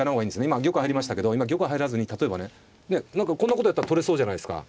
今玉入りましたけど玉を入らずに例えばね何かこんなことやったら取れそうじゃないですか。